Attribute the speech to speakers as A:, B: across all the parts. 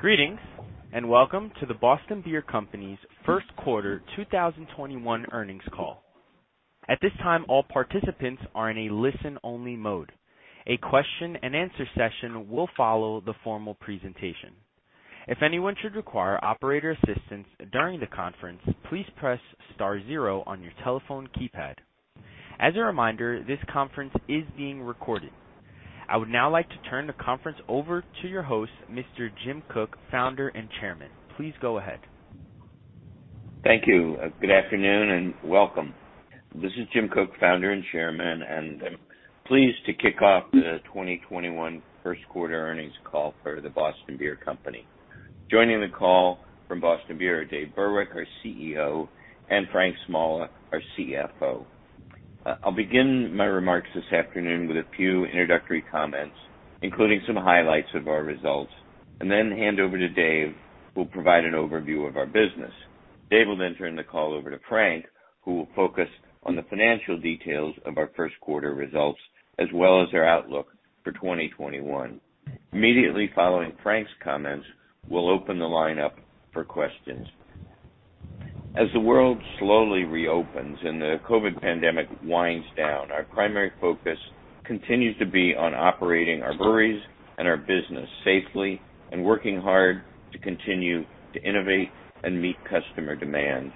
A: Greetings and welcome to the Boston Beer Company's first quarter 2021 earnings call. At this time, all participants are in a listen-only mode. A question-and-answer session will follow the formal presentation. If anyone should require operator assistance during the conference, please press star zero on your telephone keypad. As a reminder, this conference is being recorded. I would now like to turn the conference over to your host, Mr. Jim Koch, founder and chairman. Please go ahead.
B: Thank you. Good afternoon and welcome. This is Jim Koch, founder and chairman, and I'm pleased to kick off the 2021 first quarter earnings call for the Boston Beer Company. Joining the call from Boston Beer are Dave Burwick, our CEO, and Frank Smalla, our CFO. I'll begin my remarks this afternoon with a few introductory comments, including some highlights of our results, and then hand over to Dave, who will provide an overview of our business. Dave will then turn the call over to Frank, who will focus on the financial details of our first quarter results as well as our outlook for 2021. Immediately following Frank's comments, we'll open the line up for questions. As the world slowly reopens and the COVID pandemic winds down, our primary focus continues to be on operating our breweries and our business safely and working hard to continue to innovate and meet customer demand.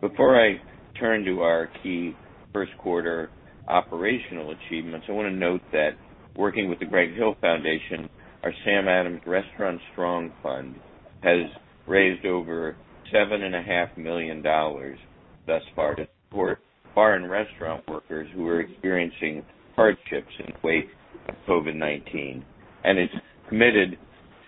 B: Before I turn to our key first quarter operational achievements, I want to note that working with The Greg Hill Foundation, our Sam Adams Restaurant Strong Fund has raised over $7.5 million thus far to support bar and restaurant workers who are experiencing hardships in the wake of COVID-19, and it's committed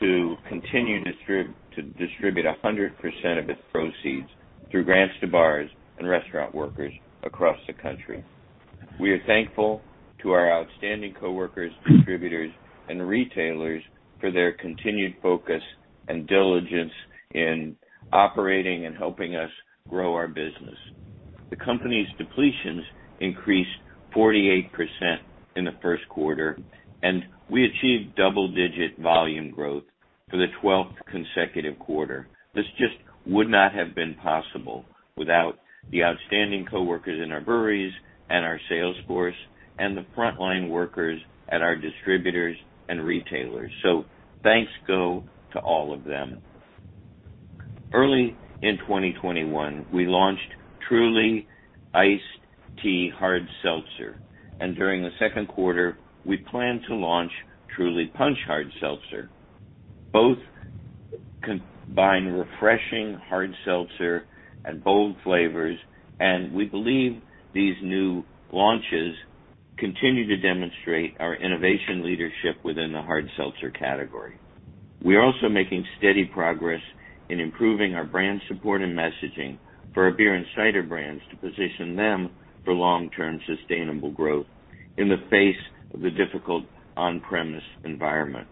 B: to continue to distribute 100% of its proceeds through grants to bars and restaurant workers across the country. We are thankful to our outstanding coworkers, distributors, and retailers for their continued focus and diligence in operating and helping us grow our business. The company's depletions increased 48% in the first quarter, and we achieved double-digit volume growth for the 12th consecutive quarter. This just would not have been possible without the outstanding coworkers in our breweries and our salesforce and the frontline workers at our distributors and retailers. So thanks go to all of them. Early in 2021, we launched Truly Iced Tea Hard Seltzer, and during the second quarter, we plan to launch Truly Punch Hard Seltzer. Both combine refreshing hard seltzer and bold flavors, and we believe these new launches continue to demonstrate our innovation leadership within the hard seltzer category. We are also making steady progress in improving our brand support and messaging for our beer and cider brands to position them for long-term sustainable growth in the face of the difficult on-premise environment.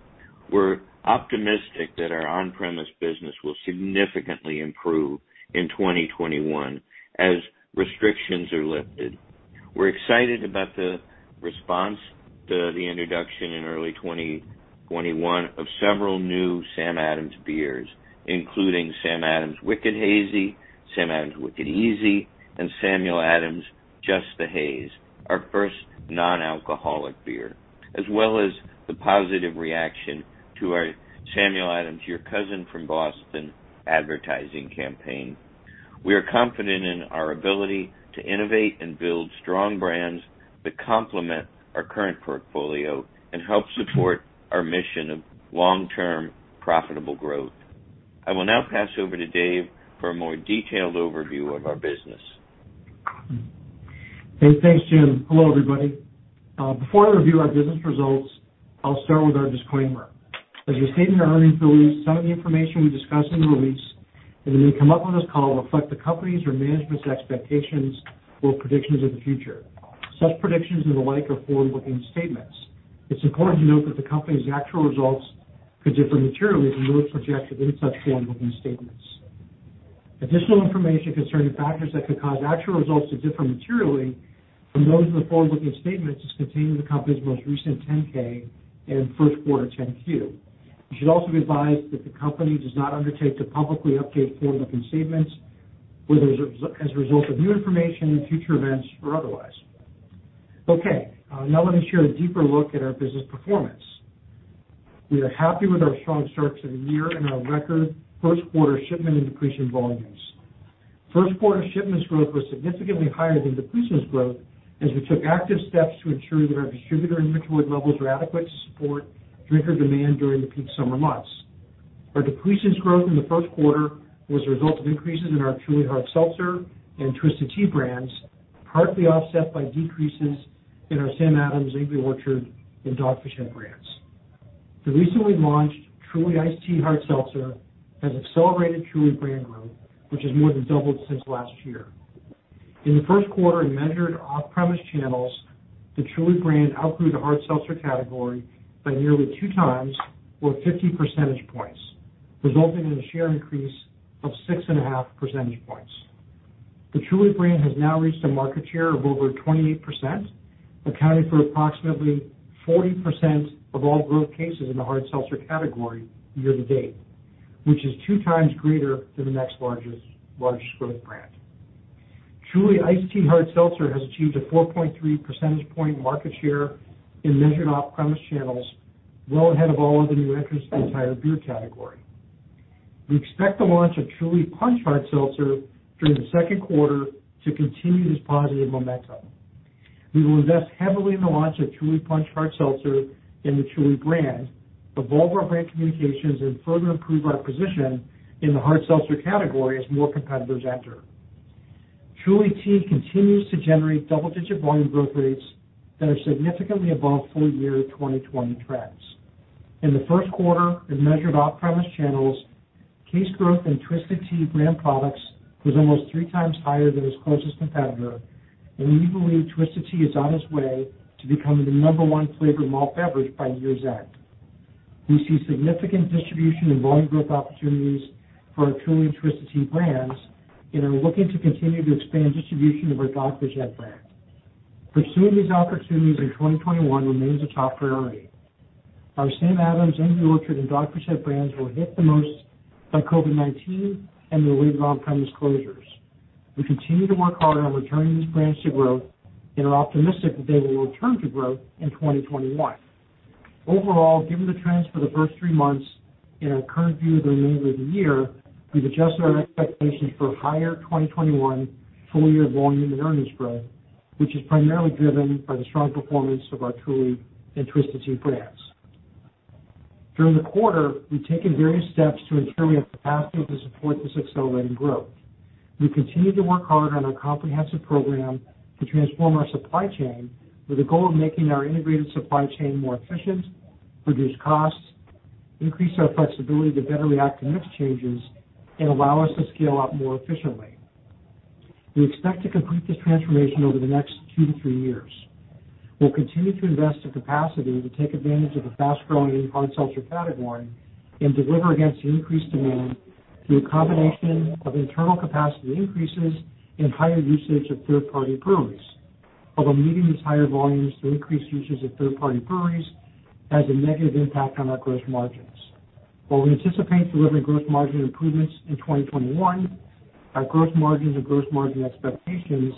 B: We're optimistic that our on-premise business will significantly improve in 2021 as restrictions are lifted. We're excited about the response to the introduction in early 2021 of several new Sam Adams beers, including Sam Adams Wicked Hazy, Sam Adams Wicked Easy, and Samuel Adams Just the Haze, our first non-alcoholic beer, as well as the positive reaction to our Samuel Adams, Your Cousin from Boston advertising campaign. We are confident in our ability to innovate and build strong brands that complement our current portfolio and help support our mission of long-term profitable growth. I will now pass over to Dave for a more detailed overview of our business.
C: Hey, thanks, Jim. Hello, everybody. Before I review our business results, I'll start with our disclaimer. As we state in our earnings release, some of the information we discuss in the release and on this call reflect the company's or management's expectations or predictions of the future. Such predictions and the like are forward-looking statements. It's important to note that the company's actual results could differ materially from those projected in such forward-looking statements. Additional information concerning factors that could cause actual results to differ materially from those in the forward-looking statements is contained in the company's most recent 10-K and first quarter 10-Q. You should also be advised that the company does not undertake to publicly update forward-looking statements as a result of new information, future events, or otherwise. Okay. Now let me share a deeper look at our business performance. We are happy with our strong start to the year and our record first quarter shipment and depletion volumes. First quarter shipments growth was significantly higher than depletions growth as we took active steps to ensure that our distributor inventory levels were adequate to support drinker demand during the peak summer months. Our depletions growth in the first quarter was a result of increases in our Truly Hard Seltzer and Twisted Tea brands, partly offset by decreases in our Samuel Adams, Angry Orchard, and Dogfish Head brands. The recently launched Truly Iced Tea Hard Seltzer has accelerated Truly brand growth, which has more than doubled since last year. In the first quarter, in measured off-premise channels, the Truly brand outgrew the Hard Seltzer category by nearly two times or 50 percentage points, resulting in a share increase of 6.5 percentage points. The Truly brand has now reached a market share of over 28%, accounting for approximately 40% of all growth cases in the Hard Seltzer category year to date, which is two times greater than the next largest growth brand. Truly Iced Tea Hard Seltzer has achieved a 4.3 percentage point market share in measured off-premise channels, well ahead of all other new entrants in the entire beer category. We expect the launch of Truly Punch Hard Seltzer during the second quarter to continue this positive momentum. We will invest heavily in the launch of Truly Punch Hard Seltzer and the Truly brand to evolve our brand communications and further improve our position in the Hard Seltzer category as more competitors enter. Truly Tea continues to generate double-digit volume growth rates that are significantly above full-year 2020 trends. In the first quarter, in measured off-premise channels, case growth in Twisted Tea brand products was almost three times higher than its closest competitor, and we believe Twisted Tea is on its way to becoming the number one flavored malt beverage by year's end. We see significant distribution and volume growth opportunities for our Truly and Twisted Tea brands and are looking to continue to expand distribution of our Dogfish Head brand. Pursuing these opportunities in 2021 remains a top priority. Our Sam Adams, Angry Orchard, and Dogfish Head brands were hit the most by COVID-19 and the later on-premise closures. We continue to work hard on returning these brands to growth and are optimistic that they will return to growth in 2021. Overall, given the trends for the first three months and our current view of the remainder of the year, we've adjusted our expectations for higher 2021 full-year volume and earnings growth, which is primarily driven by the strong performance of our Truly and Twisted Tea brands. During the quarter, we've taken various steps to ensure we have capacity to support this accelerating growth. We continue to work hard on our comprehensive program to transform our supply chain with the goal of making our integrated supply chain more efficient, reduce costs, increase our flexibility to better react to mix changes, and allow us to scale up more efficiently. We expect to complete this transformation over the next two to three years. We'll continue to invest in capacity to take advantage of the fast-growing Hard Seltzer category and deliver against increased demand through a combination of internal capacity increases and higher usage of third-party breweries. Although meeting these higher volumes through increased usage of third-party breweries has a negative impact on our gross margins. While we anticipate delivering gross margin improvements in 2021, our gross margins and gross margin expectations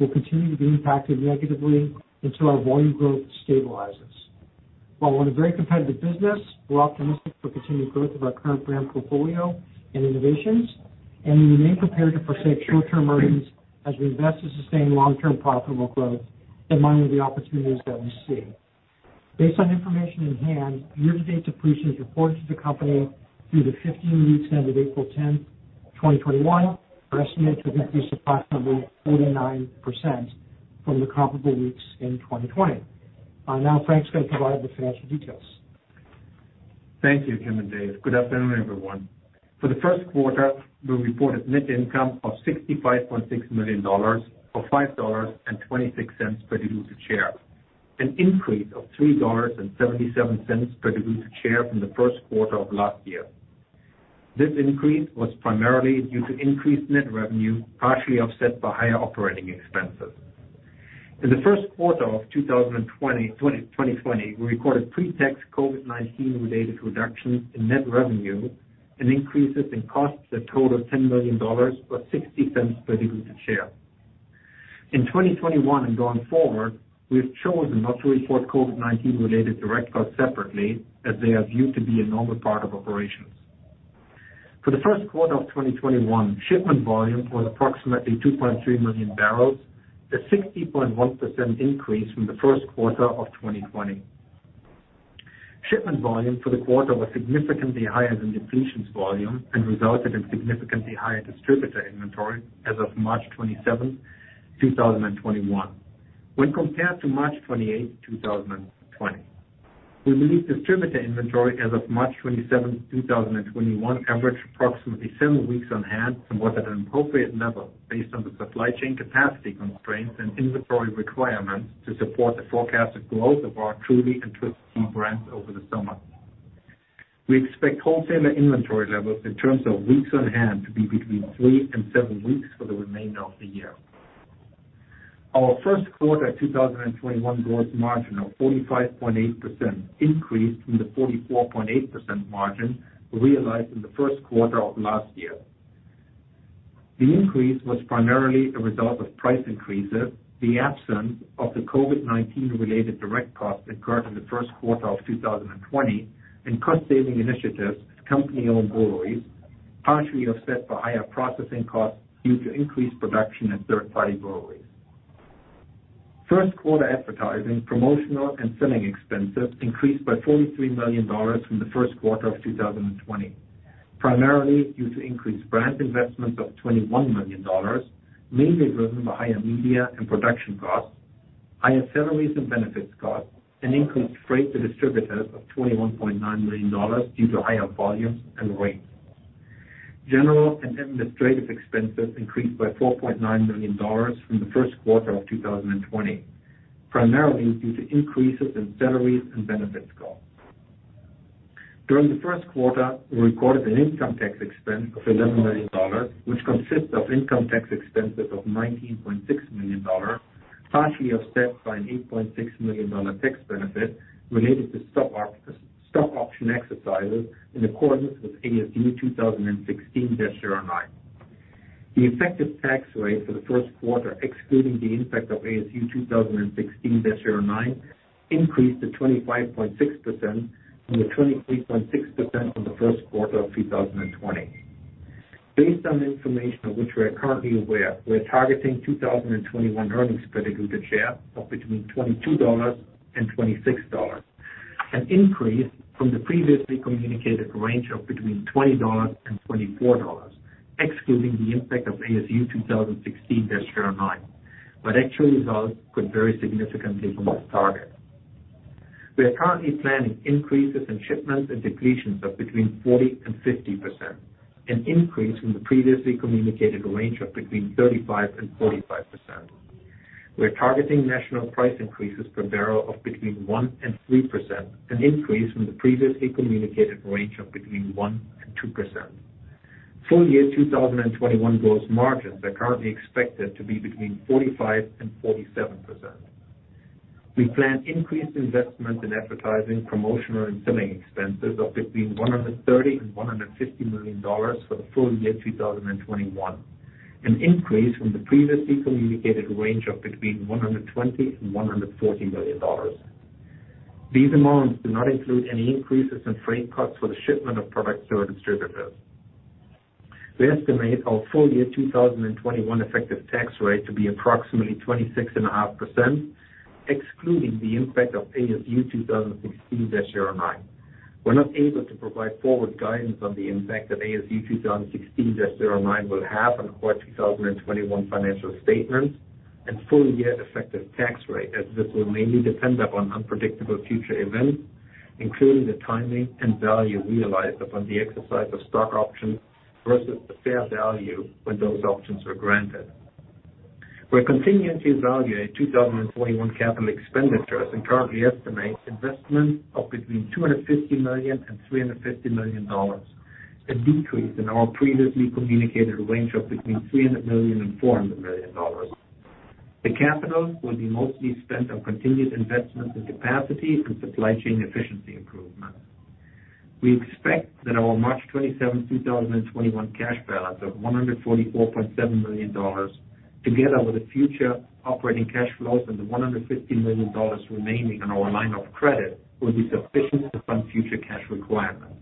C: will continue to be impacted negatively until our volume growth stabilizes. While we're in a very competitive business, we're optimistic for continued growth of our current brand portfolio and innovations, and we remain prepared to forsake short-term earnings as we invest to sustain long-term profitable growth in line with the opportunities that we see. Based on information in hand, year-to-date depletions reported to the company through the 15 weeks ended April 10th, 2021, are estimated to have increased approximately 49% from the comparable weeks in 2020. Now, Frank's going to provide the financial details.
D: Thank you, Jim and Dave. Good afternoon, everyone. For the first quarter, we reported net income of $65.6 million or $5.26 per diluted share, an increase of $3.77 per diluted share from the first quarter of last year. This increase was primarily due to increased net revenue, partially offset by higher operating expenses. In the first quarter of 2020, we recorded pre-tax COVID-19-related reductions in net revenue and increases in costs that totaled $10 million or $0.60 per diluted share. In 2021 and going forward, we have chosen not to report COVID-19-related direct costs separately as they are viewed to be a normal part of operations. For the first quarter of 2021, shipment volume was approximately 2.3 million barrels, a 60.1% increase from the first quarter of 2020. Shipment volume for the quarter was significantly higher than depletions volume and resulted in significantly higher distributor inventory as of March 27th, 2021, when compared to March 28th, 2020. We believe distributor inventory as of March 27th, 2021, averaged approximately seven weeks on hand, somewhat at an appropriate level based on the supply chain capacity constraints and inventory requirements to support the forecasted growth of our Truly and Twisted Tea brands over the summer. We expect wholesaler inventory levels in terms of weeks on hand to be between three and seven weeks for the remainder of the year. Our first quarter 2021 gross margin of 45.8% increased from the 44.8% margin realized in the first quarter of last year. The increase was primarily a result of price increases, the absence of the COVID-19-related direct costs incurred in the first quarter of 2020, and cost-saving initiatives at company-owned breweries, partially offset by higher processing costs due to increased production at third-party breweries. First quarter advertising, promotional, and selling expenses increased by $43 million from the first quarter of 2020, primarily due to increased brand investments of $21 million, mainly driven by higher media and production costs, higher salaries and benefits costs, and increased freight to distributors of $21.9 million due to higher volumes and rates. General and administrative expenses increased by $4.9 million from the first quarter of 2020, primarily due to increases in salaries and benefits costs. During the first quarter, we recorded an income tax expense of $11 million, which consists of income tax expenses of $19.6 million, partially offset by an $8.6 million tax benefit related to stop-option exercises in accordance with ASU 2016-09. The effective tax rate for the first quarter, excluding the impact of ASU 2016-09, increased to 25.6% from the 23.6% from the first quarter of 2020. Based on the information of which we are currently aware, we are targeting 2021 earnings per diluted share of between $22 and $26, an increase from the previously communicated range of between $20 and $24, excluding the impact of ASU 2016-09. But actual results could vary significantly from this target. We are currently planning increases in shipments and depletions of between 40% and 50%, an increase from the previously communicated range of between 35% and 45%. We are targeting national price increases per barrel of between 1% and 3%, an increase from the previously communicated range of between 1% and 2%. Full-year 2021 gross margins are currently expected to be between 45% and 47%. We plan increased investments in advertising, promotional, and selling expenses of between $130 and $150 million for the full year 2021, an increase from the previously communicated range of between $120 and $140 million. These amounts do not include any increases in freight costs for the shipment of products to our distributors. We estimate our full-year 2021 effective tax rate to be approximately 26.5%, excluding the impact of ASU 2016-09. We're not able to provide forward guidance on the impact that ASU 2016-09 will have on quarter 2021 financial statements and full-year effective tax rate, as this will mainly depend upon unpredictable future events, including the timing and value realized upon the exercise of stock options versus the fair value when those options were granted. We're continuing to evaluate 2021 capital expenditures and currently estimate investments of between $250 million and $350 million, a decrease in our previously communicated range of between $300 million and $400 million. The capital will be mostly spent on continued investments in capacity and supply chain efficiency improvements. We expect that our March 27th, 2021, cash balance of $144.7 million, together with the future operating cash flows and the $150 million remaining on our line of credit, will be sufficient to fund future cash requirements.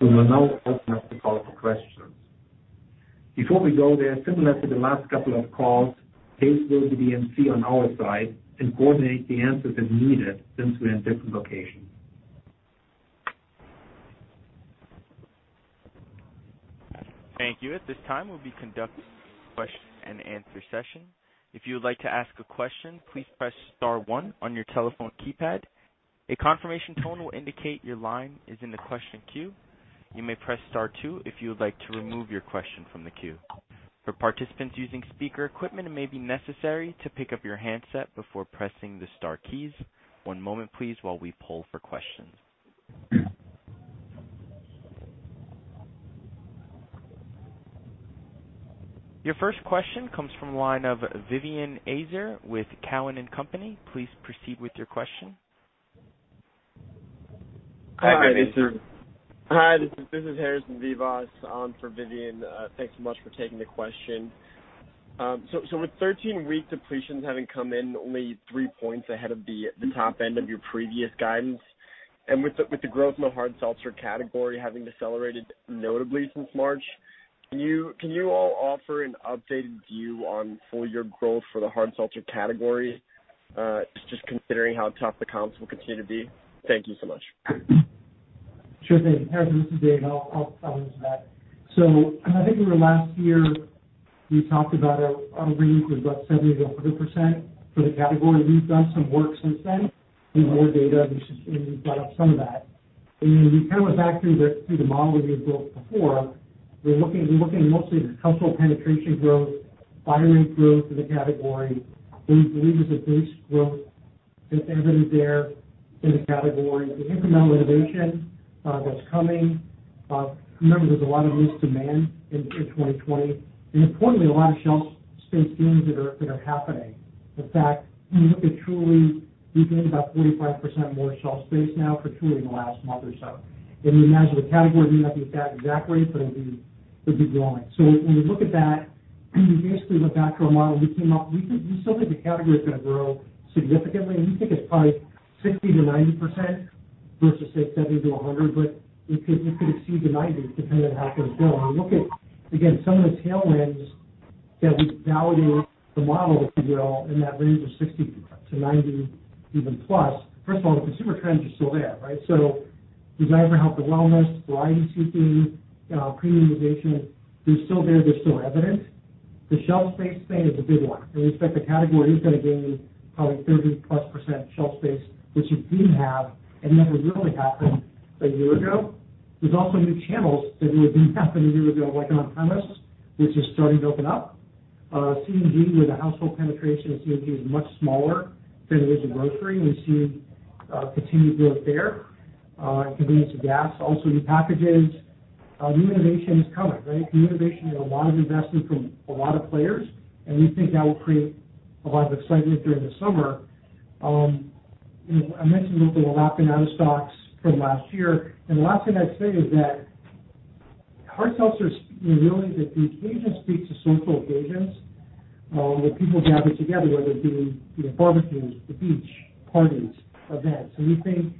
D: We will now open up the call for questions. Before we go there, similar to the last couple of calls, Dave will be the emcee on our side and coordinate the answers as needed since we're in different locations.
A: Thank you. At this time, we'll be conducting a question-and-answer session. If you would like to ask a question, please press Star 1 on your telephone keypad. A confirmation tone will indicate your line is in the question queue. You may press Star 2 if you would like to remove your question from the queue. For participants using speaker equipment, it may be necessary to pick up your handset before pressing the Star keys. One moment, please, while we poll for questions. Your first question comes from line of Vivien Azer with Cowen and Company. Please proceed with your question.
C: Hi, Vivian.
E: Hi, this is Harrison Vivas, on for Vivien. Thanks so much for taking the question. So with 13-week depletions having come in only three points ahead of the top end of your previous guidance, and with the growth in the Hard Seltzer category having decelerated notably since March, can you all offer an updated view on full-year growth for the Hard Seltzer category, just considering how tough the comps will continue to be? Thank you so much.
C: Sure thing. Harrison, this is Dave. I'll follow up on that. So I think over last year, we talked about our range was about 70%-100% for the category. We've done some work since then. We have more data, and we've brought up some of that, and we kind of went back through the model that we had built before. We're looking mostly at the household penetration growth, buyer rate growth in the category. We believe there's a base growth that's evident there in the category. The incremental innovation that's coming. Remember, there's a lot of missed demand in 2020, and importantly, a lot of shelf space gains that are happening. In fact, we look at Truly. We've gained about 45% more shelf space now for Truly in the last month or so, and you imagine the category may not be at that exact rate, but it'll be growing. When we look at that, we basically went back to our model. We still think the category is going to grow significantly. We think it's probably 60%-90% versus, say, 70%-100%, but it could exceed the 90% depending on how things go. And we look at, again, some of the tailwinds that we validate the model, if you will, in that range of 60%-90%, even plus. First of all, the consumer trends are still there, right? So desire for health and wellness, variety seeking, premiumization, they're still there. They're still evident. The shelf space thing is a big one. And we expect the category is going to gain probably 30-plus% shelf space, which it didn't have and never really happened a year ago. There's also new channels that really didn't happen a year ago, like on-premise, which is starting to open up. Convenience and gas, where the household penetration of convenience and gas is much smaller than it is in grocery, we see continued growth there. Convenience and gas, also new packages. New innovation is coming, right? New innovation and a lot of investment from a lot of players. And we think that will create a lot of excitement during the summer. I mentioned a little bit of a working out of stocks from last year. And the last thing I'd say is that Hard Seltzer's really the occasion speaks to social occasions where people gather together, whether it be barbecues, the beach, parties, events. And we think,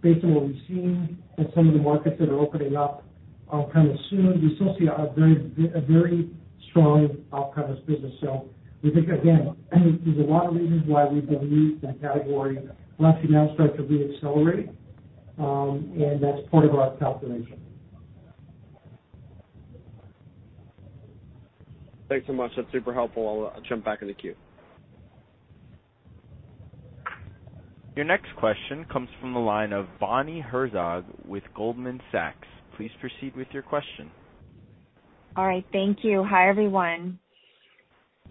C: based on what we've seen in some of the markets that are opening up on-premise soon, we still see a very strong off-premise business. So we think, again, there's a lot of reasons why we believe the category will actually now start to re-accelerate. And that's part of our calculation.
A: Thanks so much. That's super helpful. I'll jump back in the queue. Your next question comes from the line of Bonnie Herzog with Goldman Sachs. Please proceed with your question.
F: All right. Thank you. Hi, everyone.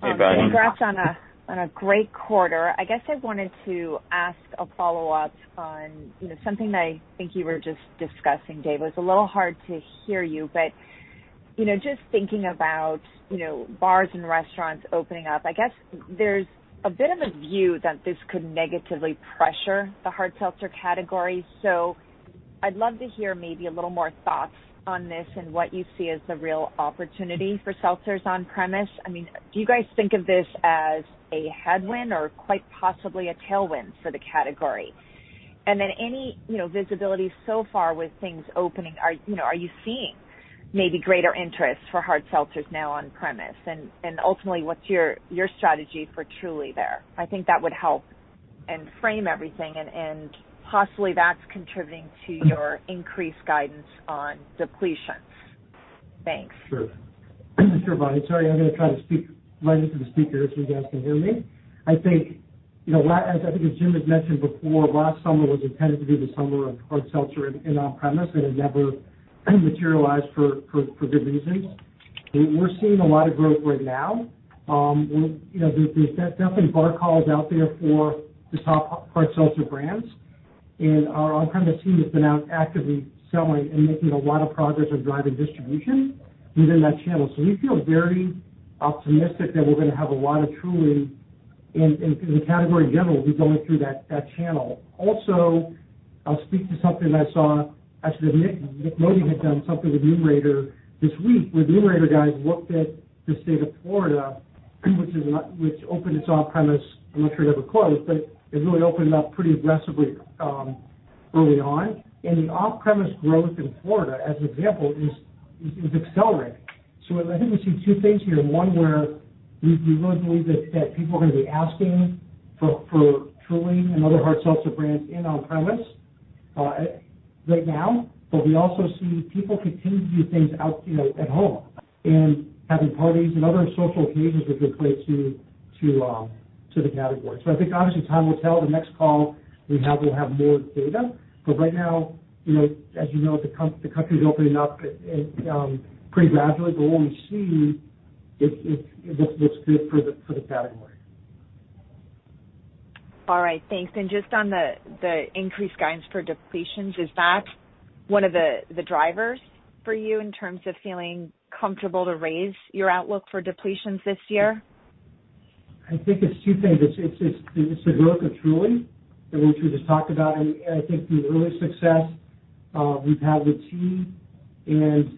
D: Hey, Bonnie.
F: Congrats on a great quarter. I guess I wanted to ask a follow-up on something that I think you were just discussing, Dave. It was a little hard to hear you. But just thinking about bars and restaurants opening up, I guess there's a bit of a view that this could negatively pressure the Hard Seltzer category. So I'd love to hear maybe a little more thoughts on this and what you see as the real opportunity for seltzers on premise. I mean, do you guys think of this as a headwind or quite possibly a tailwind for the category? And then any visibility so far with things opening, are you seeing maybe greater interest for Hard Seltzers now on premise? And ultimately, what's your strategy for Truly there? I think that would help and frame everything. And possibly that's contributing to your increased guidance on depletions. Thanks.
C: Sure. Thanks, everybody. Sorry, I'm going to try to speak right into the speakers so you guys can hear me. I think, as Jim had mentioned before, last summer was intended to be the summer of Hard Seltzer and on-premise, and it never materialized for good reasons. We're seeing a lot of growth right now. There's definitely bar calls out there for the top Hard Seltzer brands. And our on-premise team has been out actively selling and making a lot of progress on driving distribution within that channel. So we feel very optimistic that we're going to have a lot of Truly in the category in general will be going through that channel. Also, I'll speak to something that I saw. Actually, Nik Modi had done something with Numerator this week where the Numerator guys looked at the state of Florida, which opened its on-premise. I'm not sure it ever closed, but it really opened up pretty aggressively early on, and the off-premise growth in Florida, as an example, is accelerating. So I think we see two things here. One, where we really believe that people are going to be asking for Truly and other hard seltzer brands in on-premise right now. But we also see people continue to do things at home and having parties and other social occasions which will play to the category. So I think, obviously, time will tell. The next call we have will have more data. But right now, as you know, the country is opening up pretty gradually. But what we see looks good for the category.
F: All right. Thanks, and just on the increased guidance for depletions, is that one of the drivers for you in terms of feeling comfortable to raise your outlook for depletions this year?
C: I think it's two things. It's the growth of Truly, which we just talked about. And I think the early success we've had with tea and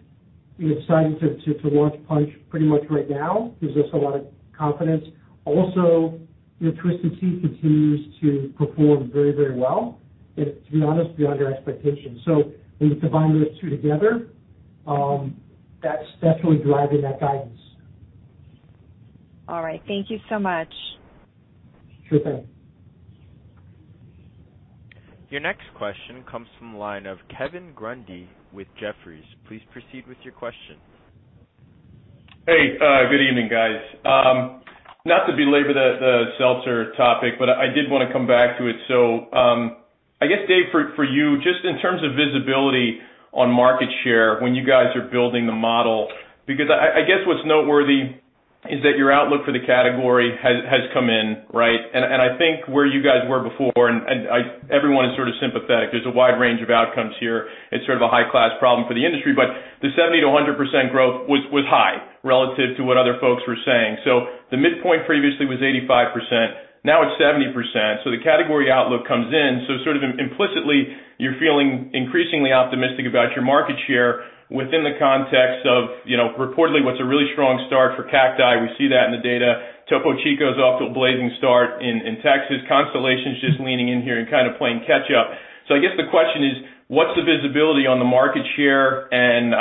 C: deciding to launch punch pretty much right now gives us a lot of confidence. Also, Twisted Tea continues to perform very, very well. And to be honest, beyond our expectations. So when you combine those two together, that's really driving that guidance.
F: All right. Thank you so much.
C: Sure thing.
A: Your next question comes from the line of Kevin Grundy with Jefferies. Please proceed with your question.
G: Hey. Good evening, guys. Not to belabor the seltzer topic, but I did want to come back to it. So I guess, Dave, for you, just in terms of visibility on market share when you guys are building the model, because I guess what's noteworthy is that your outlook for the category has come in, right? And I think where you guys were before, and everyone is sort of sympathetic. There's a wide range of outcomes here. It's sort of a high-class problem for the industry. But the 70%-100% growth was high relative to what other folks were saying. So the midpoint previously was 85%. Now it's 70%. So the category outlook comes in. So sort of implicitly, you're feeling increasingly optimistic about your market share within the context of, reportedly, what's a really strong start for Cacti. We see that in the data. Topo Chico's off to a blazing start in Texas. Constellation's just leaning in here and kind of playing catch-up. So I guess the question is, what's the visibility on the market share? And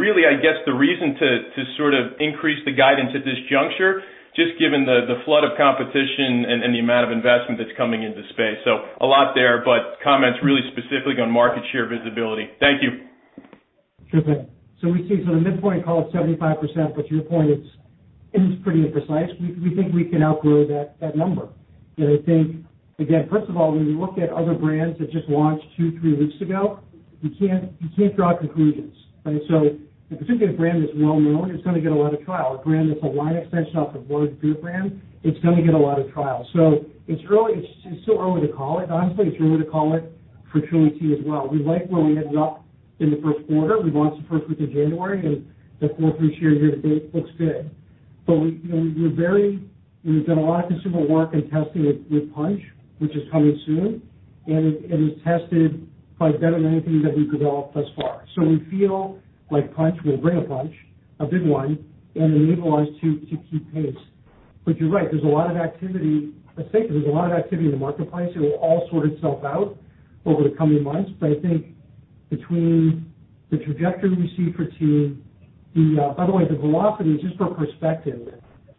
G: really, I guess the reason to sort of increase the guidance at this juncture, just given the flood of competition and the amount of investment that's coming into the space. So a lot there, but comments really specifically on market share visibility. Thank you.
C: Sure thing. So we see the midpoint call at 75%. But to your point, it's pretty imprecise. We think we can outgrow that number. And I think, again, first of all, when you look at other brands that just launched two, three weeks ago, you can't draw conclusions, right? So particularly a brand that's well-known is going to get a lot of trial. A brand that's a line extension off of a large beer brand, it's going to get a lot of trial. So it's still early to call it. Honestly, it's early to call it for Truly Tea as well. We like where we ended up in the first quarter. We launched the first week of January, and the fourth-week share year-to-date looks good. But we've done a lot of consumer work and testing with punch, which is coming soon. It has tested probably better than anything that we've developed thus far. We feel like punch will bring a punch, a big one, and enable us to keep pace. You're right. There's a lot of activity. I think there's a lot of activity in the marketplace. It will all sort itself out over the coming months. I think between the trajectory we see for tea, by the way, the velocity, just for perspective,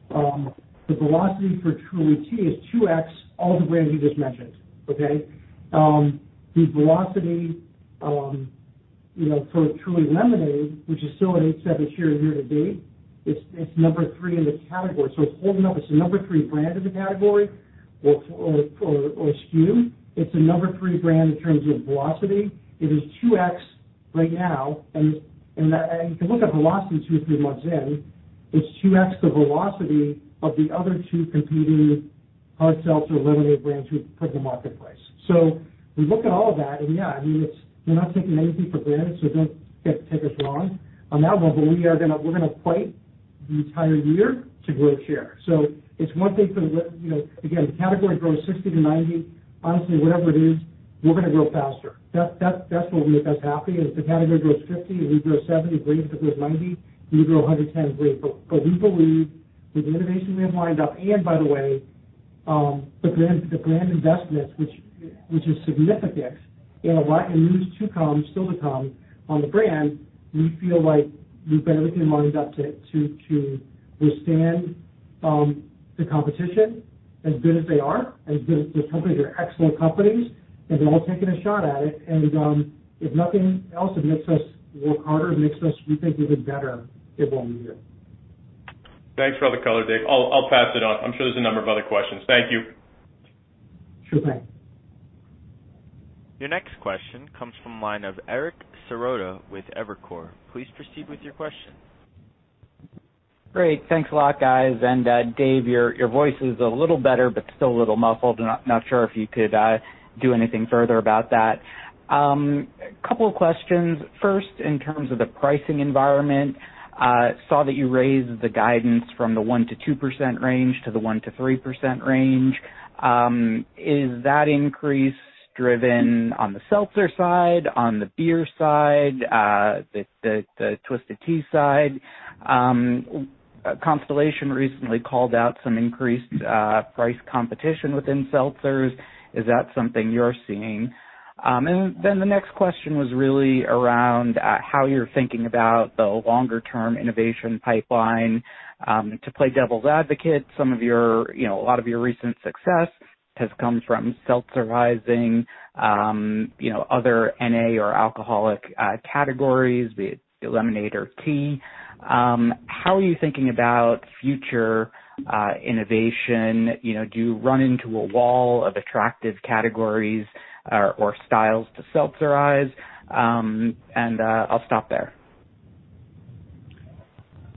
C: the velocity for Truly Tea is 2X all the brands you just mentioned, okay? The velocity for Truly Lemonade, which is still an eighth or seventh share year-to-date, it's number three in the category. It's holding up. It's the number three brand in the category or SKU. It's the number three brand in terms of velocity. It is 2X right now. You can look at velocity two or three months in. It's 2X the velocity of the other two competing Hard Seltzer Lemonade brands who put in the marketplace. So we look at all of that. And yeah, I mean, we're not taking anything for granted, so don't take us wrong. On that level, we're going to fight the entire year to grow share. So it's one thing for, again, the category grows 60%-90%. Honestly, whatever it is, we're going to grow faster. That's what will make us happy. And if the category grows 50% and we grow 70%, great. If it grows 90%, we grow 110%, great. But we believe with the innovation we have lined up, and by the way, the brand investments, which is significant and news to come, still to come on the brand, we feel like we've got everything lined up to withstand the competition as good as they are, as good as the companies are excellent companies, and they're all taking a shot at it. And if nothing else, it makes us work harder. It makes us, we think, even better at what we do.
G: Thanks for all the color, Dave. I'll pass it on. I'm sure there's a number of other questions. Thank you.
C: Sure thing.
A: Your next question comes from the line of Eric Serotta with Evercore. Please proceed with your question.
H: Great. Thanks a lot, guys. And Dave, your voice is a little better, but still a little muffled. I'm not sure if you could do anything further about that. A couple of questions. First, in terms of the pricing environment, saw that you raised the guidance from the 1%-2% range to the 1%-3% range. Is that increase driven on the seltzer side, on the beer side, the Twisted Tea side? Constellation recently called out some increased price competition within seltzers. Is that something you're seeing? And then the next question was really around how you're thinking about the longer-term innovation pipeline. To play devil's advocate, a lot of your recent success has come from seltzerizing other NA or alcoholic categories, be it lemonade or tea. How are you thinking about future innovation? Do you run into a wall of attractive categories or styles to seltzerize? And I'll stop there.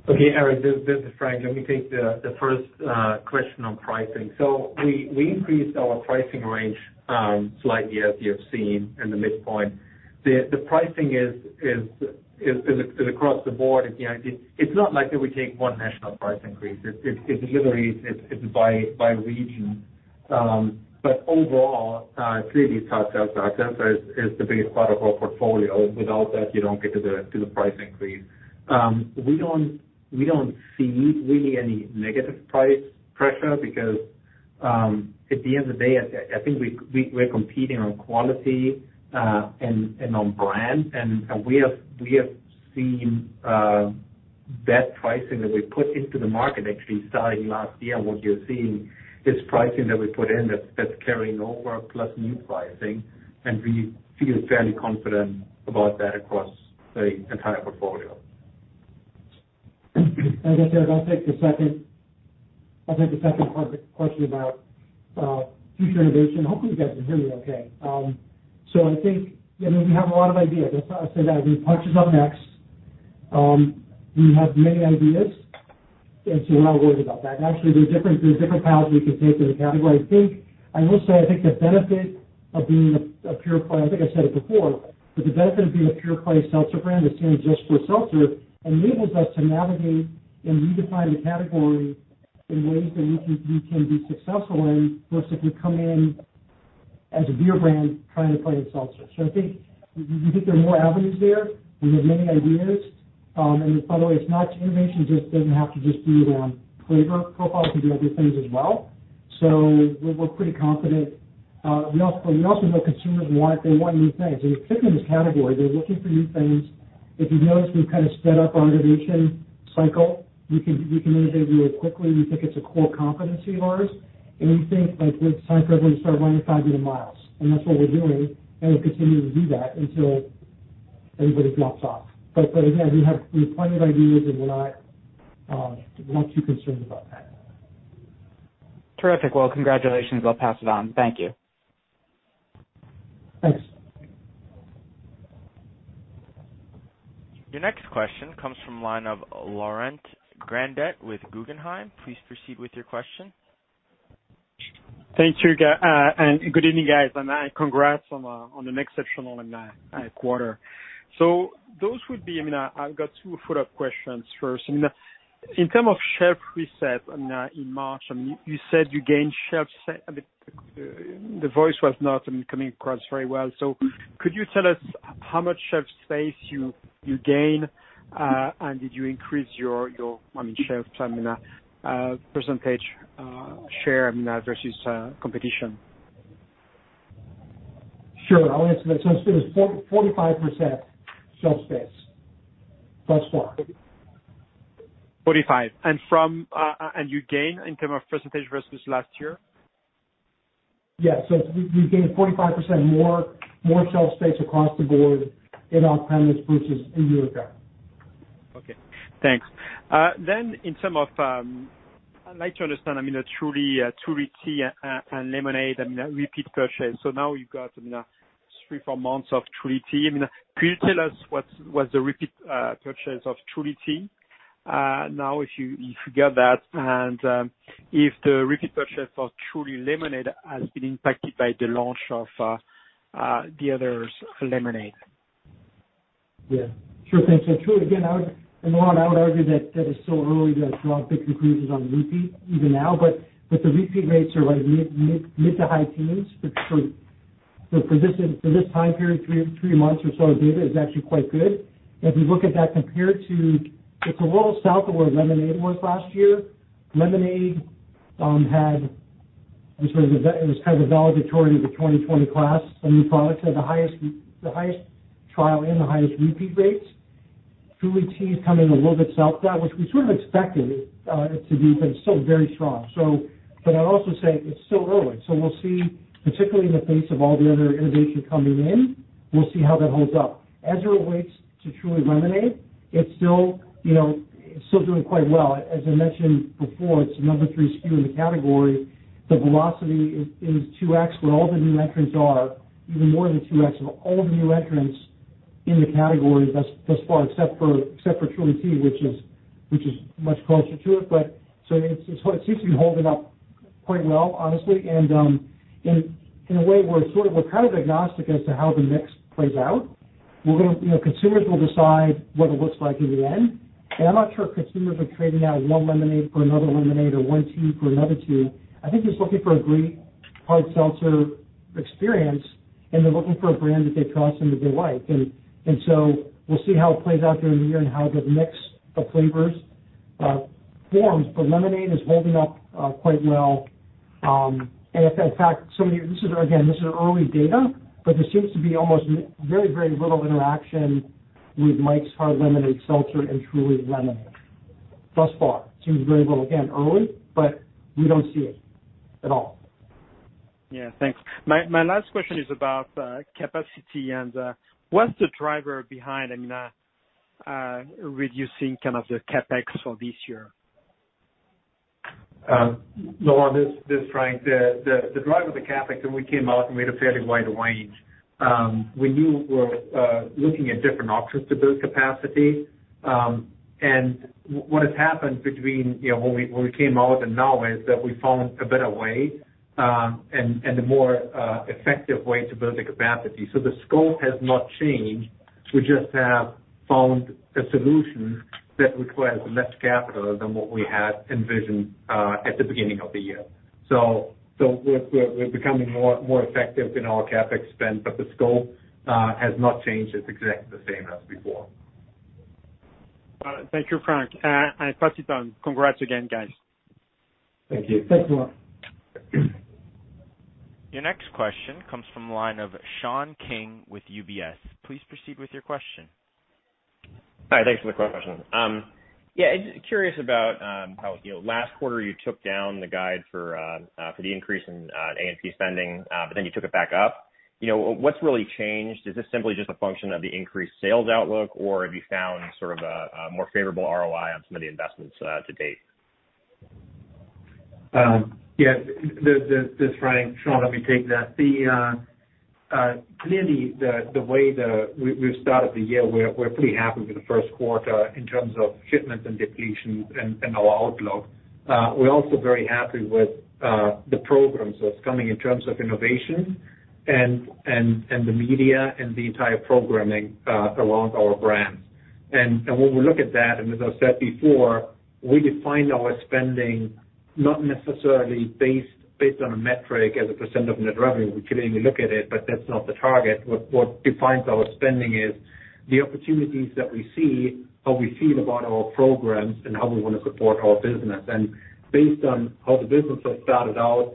D: Okay. Eric, this is Frank. Let me take the first question on pricing. So we increased our pricing range slightly, as you have seen, in the midpoint. The pricing is across the board. It's not like we take one national price increase. It's literally by region. But overall, clearly, it's Hard Seltzer. Hard Seltzer is the biggest part of our portfolio. Without that, you don't get to the price increase. We don't see really any negative price pressure because at the end of the day, I think we're competing on quality and on brand. And we have seen that pricing that we put into the market, actually starting last year, what you're seeing is pricing that we put in that's carrying over plus new pricing. And we feel fairly confident about that across the entire portfolio.
C: Thank you, and again, I'll take the second question about future innovation. Hopefully, you guys can hear me okay, so I think, I mean, we have a lot of ideas. I said that. I mean, punch is up next. We have many ideas, and so we're not worried about that. Actually, there are different paths we can take in the category. I will say, I think the benefit of being a pure play, I think I said it before, but the benefit of being a pure play seltzer brand is seen just for seltzer enables us to navigate and redefine the category in ways that we can be successful in versus if we come in as a beer brand trying to play in seltzer, so I think there are more avenues there. We have many ideas, and by the way, innovation just doesn't have to just be around flavor profile. It can be other things as well, so we're pretty confident. We also know consumers want new things, and particularly in this category, they're looking for new things. If you've noticed, we've kind of sped up our innovation cycle. We can innovate really quickly. We think it's a core competency of ours, and we think with time, we'll start running 5 million cases. That's what we're doing, and we'll continue to do that until everybody drops off, but again, we have plenty of ideas, and we're not too concerned about that.
H: Terrific. Well, congratulations. I'll pass it on. Thank you.
C: Thanks.
A: Your next question comes from the line of Laurent Grandet with Guggenheim. Please proceed with your question.
I: Thank you. And good evening, guys. And congrats on an exceptional quarter. So those would be I mean, I've got two follow-up questions first. I mean, in terms of shelf reset in March, I mean, you said you gained shelf. So could you tell us how much shelf space you gained? And did you increase your, I mean, shelf percentage share versus competition?
C: Sure. I'll answer that. So it was 45% shelf space thus far.
I: You gained in terms of percentage versus last year?
C: Yeah. So we gained 45% more shelf space across the board in on-premise versus a year ago.
I: Okay. Thanks. Then in terms of, I'd like to understand, I mean, the Truly Tea and Lemonade, I mean, repeat purchase. So now you've got three or four months of Truly Tea. I mean, could you tell us what's the repeat purchase of Truly Tea now if you got that? And if the repeat purchase for Truly Lemonade has been impacted by the launch of the other Lemonade?
C: Yeah. Sure thing. So again, Laurent, I would argue that it's still early to draw big conclusions on repeat even now. But the repeat rates are mid to high teens. So for this time period, three months or so of data is actually quite good. And if you look at that compared to, it's a little south of where Lemonade was last year. Lemonade had it was kind of a valedictorian of the 2020 class. Some new products had the highest trial and the highest repeat rates. Truly Tea is coming a little bit south of that, which we sort of expected it to be, but it's still very strong. But I'll also say it's still early. So we'll see, particularly in the face of all the other innovation coming in. We'll see how that holds up. As it relates to Truly Lemonade, it's still doing quite well. As I mentioned before, it's the number three SKU in the category. The velocity is 2X where all the new entrants are, even more than 2X of all the new entrants in the category thus far, except for Truly Tea, which is much closer to it, but so it seems to be holding up quite well, honestly, and in a way, we're kind of agnostic as to how the mix plays out. Consumers will decide what it looks like in the end, and I'm not sure consumers are trading out one lemonade for another lemonade or one tea for another tea. I think they're just looking for a great hard seltzer experience, and they're looking for a brand that they trust and that they like, and so we'll see how it plays out during the year and how the mix of flavors forms, but lemonade is holding up quite well. In fact, some of you again, this is early data, but there seems to be almost very, very little interaction with Mike's Hard Lemonade Seltzer and Truly Lemonade thus far. Seems very little. Again, early, but we don't see it at all.
I: Yeah. Thanks. My last question is about capacity, and what's the driver behind, I mean, reducing kind of the CapEx for this year?
D: Laurent, this is Frank. The driver of the CapEx, when we came out, we had a fairly wide range. We knew we were looking at different options to build capacity, and what has happened between when we came out and now is that we found a better way and a more effective way to build the capacity, so the scope has not changed. We just have found a solution that requires less capital than what we had envisioned at the beginning of the year, so we're becoming more effective in our CapEx spend, but the scope has not changed. It's exactly the same as before.
I: Thank you, Frank. And Patrick, congrats again, guys.
D: Thank you.
C: Thanks, Laurent.
A: Your next question comes from the line of Sean King with UBS. Please proceed with your question.
J: Hi. Thanks for the question. Yeah. I'm curious about how last quarter you took down the guide for the increase in A&P spending, but then you took it back up. What's really changed? Is this simply just a function of the increased sales outlook, or have you found sort of a more favorable ROI on some of the investments to date?
D: Yeah. This is Frank. Sean, let me take that. Clearly, the way we've started the year, we're pretty happy with the first quarter in terms of shipments and depletions and our outlook. We're also very happy with the programs that's coming in terms of innovation and the media and the entire programming along our brands. And when we look at that, and as I said before, we define our spending not necessarily based on a metric as a % of net revenue. We can even look at it, but that's not the target. What defines our spending is the opportunities that we see, how we feel about our programs, and how we want to support our business. Based on how the business has started out,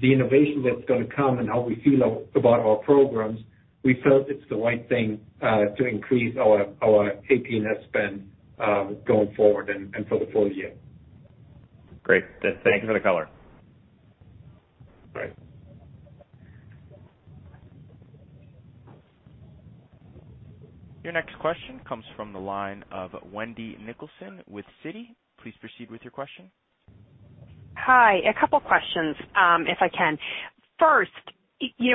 D: the innovation that's going to come, and how we feel about our programs, we felt it's the right thing to increase our APNS spend going forward and for the full year.
H: Great. Thank you for the color.
G: All right.
A: Your next question comes from the line of Wendy Nicholson with Citi. Please proceed with your question.
K: Hi. A couple of questions, if I can. First,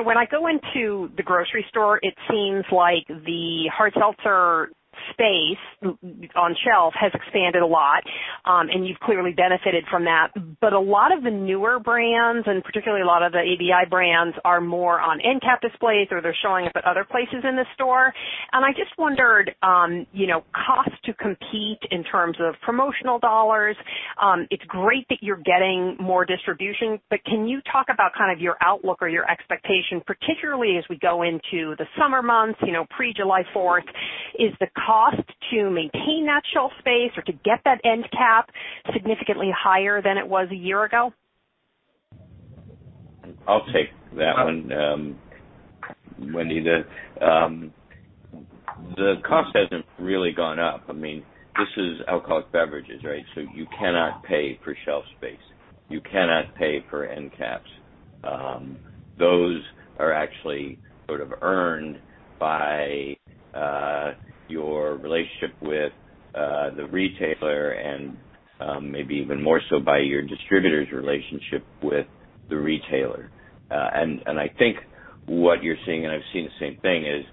K: when I go into the grocery store, it seems like the Hard Seltzer space on shelf has expanded a lot, and you've clearly benefited from that. But a lot of the newer brands, and particularly a lot of the ABI brands, are more on end cap displays, or they're showing up at other places in the store. And I just wondered, cost to compete in terms of promotional dollars, it's great that you're getting more distribution, but can you talk about kind of your outlook or your expectation, particularly as we go into the summer months, pre-July 4th? Is the cost to maintain that shelf space or to get that end cap significantly higher than it was a year ago?
B: I'll take that one, Wendy. The cost hasn't really gone up. I mean, this is alcoholic beverages, right? So you cannot pay for shelf space. You cannot pay for end caps. Those are actually sort of earned by your relationship with the retailer and maybe even more so by your distributor's relationship with the retailer. And I think what you're seeing, and I've seen the same thing, is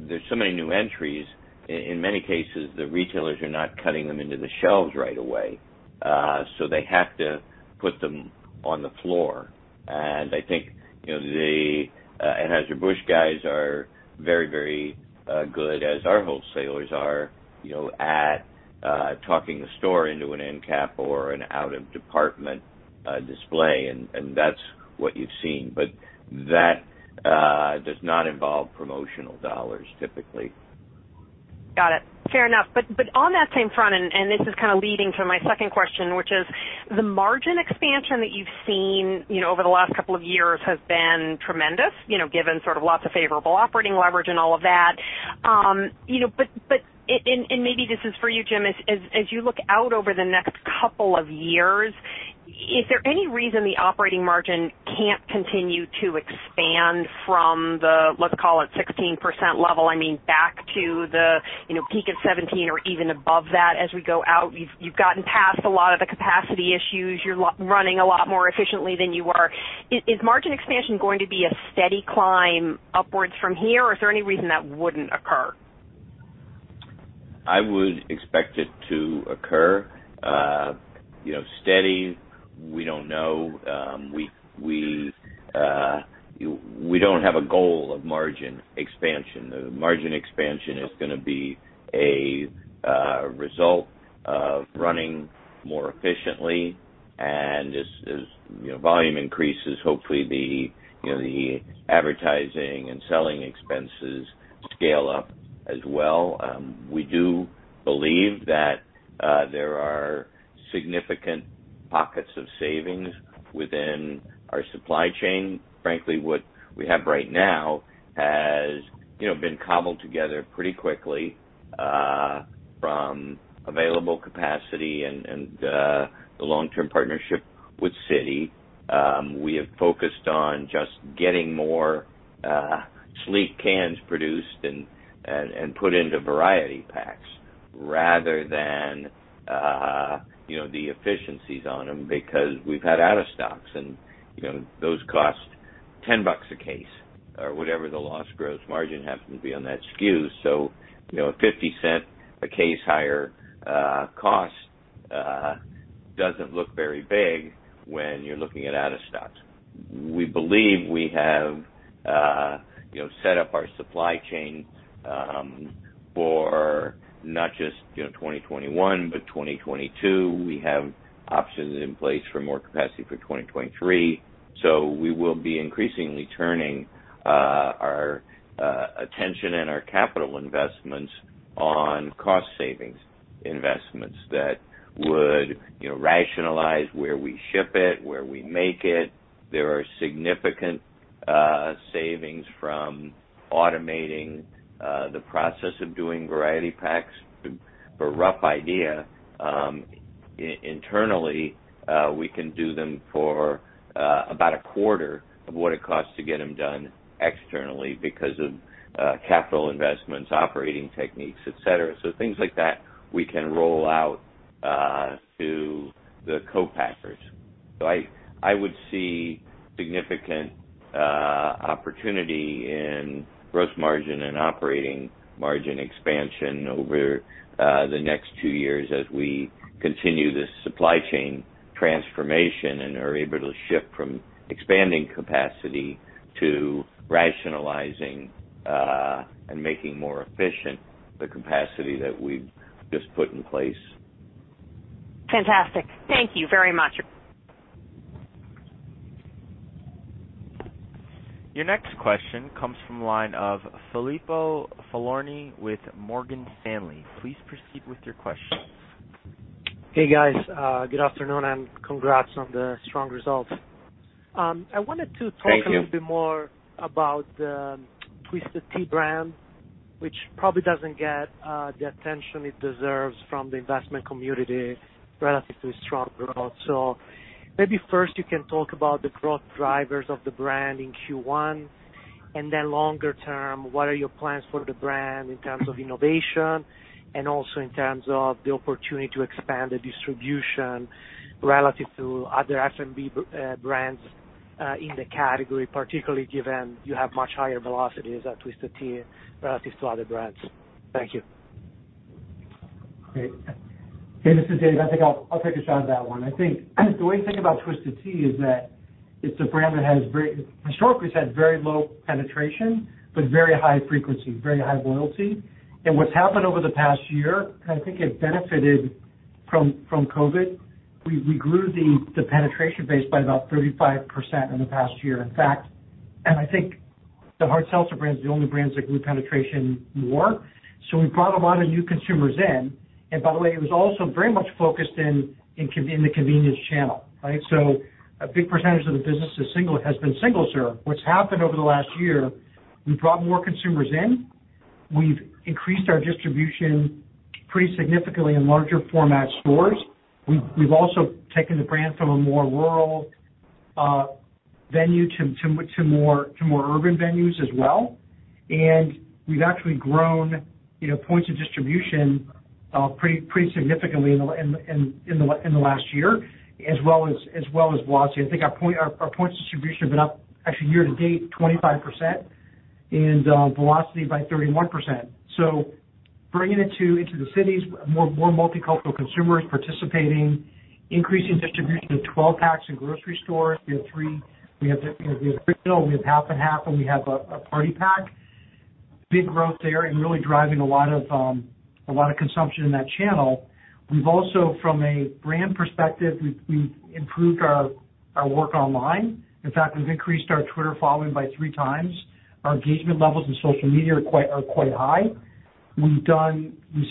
B: there's so many new entries. In many cases, the retailers are not cutting them into the shelves right away, so they have to put them on the floor. And I think the Anheuser-Busch guys are very, very good, as our wholesalers are, at talking the store into an end cap or an out-of-department display. And that's what you've seen. But that does not involve promotional dollars, typically.
K: Got it. Fair enough, but on that same front, and this is kind of leading to my second question, which is the margin expansion that you've seen over the last couple of years has been tremendous, given sort of lots of favorable operating leverage and all of that. But maybe this is for you, Jim, as you look out over the next couple of years, is there any reason the operating margin can't continue to expand from the, let's call it, 16% level, I mean, back to the peak of 17% or even above that as we go out? You've gotten past a lot of the capacity issues. You're running a lot more efficiently than you were. Is margin expansion going to be a steady climb upwards from here, or is there any reason that wouldn't occur?
B: I would expect it to occur. Steady, we don't know. We don't have a goal of margin expansion. The margin expansion is going to be a result of running more efficiently. And as volume increases, hopefully, the advertising and selling expenses scale up as well. We do believe that there are significant pockets of savings within our supply chain. Frankly, what we have right now has been cobbled together pretty quickly from available capacity and the long-term partnership with City. We have focused on just getting more sleek cans produced and put into variety packs rather than the efficiencies on them because we've had out-of-stocks. And those cost $10 a case or whatever the lost gross margin happens to be on that SKU. So a $0.50 a case higher cost doesn't look very big when you're looking at out-of-stocks. We believe we have set up our supply chain for not just 2021, but 2022. We have options in place for more capacity for 2023. So we will be increasingly turning our attention and our capital investments on cost savings investments that would rationalize where we ship it, where we make it. There are significant savings from automating the process of doing variety packs. A rough idea, internally, we can do them for about a quarter of what it costs to get them done externally because of capital investments, operating techniques, etc. So things like that we can roll out to the co-packers. So I would see significant opportunity in gross margin and operating margin expansion over the next two years as we continue this supply chain transformation and are able to shift from expanding capacity to rationalizing and making more efficient the capacity that we've just put in place.
K: Fantastic. Thank you very much.
A: Your next question comes from the line of Filippo Falorni with Morgan Stanley. Please proceed with your question.
L: Hey, guys. Good afternoon and congrats on the strong results. I wanted to talk a little bit more about the Twisted Tea brand, which probably doesn't get the attention it deserves from the investment community relative to its strong growth. So maybe first, you can talk about the growth drivers of the brand in Q1. And then longer term, what are your plans for the brand in terms of innovation and also in terms of the opportunity to expand the distribution relative to other F&B brands in the category, particularly given you have much higher velocities at Twisted Tea relative to other brands. Thank you.
C: Okay. Hey, this is Dave. I think I'll take a shot at that one. I think the way to think about Twisted Tea is that it's a brand that has historically had very low penetration, but very high frequency, very high loyalty, and what's happened over the past year, and I think it benefited from COVID, we grew the penetration base by about 35% in the past year. In fact, and I think the Hard Seltzer brand is the only brand that grew penetration more, so we brought a lot of new consumers in, and by the way, it was also very much focused in the convenience channel, right, so a big percentage of the business has been single-serve. What's happened over the last year, we brought more consumers in. We've increased our distribution pretty significantly in larger format stores. We've also taken the brand from a more rural venue to more urban venues as well, and we've actually grown points of distribution pretty significantly in the last year, as well as velocity. I think our points of distribution have been up, actually, year to date, 25%, and velocity by 31%, so bringing it to the cities, more multicultural consumers participating, increasing distribution of 12 packs in grocery stores. We have three. We have the original. We have half and half, and we have a party pack. Big growth there and really driving a lot of consumption in that channel. We've also, from a brand perspective, improved our work online. In fact, we've increased our Twitter following by three times. Our engagement levels in social media are quite high. We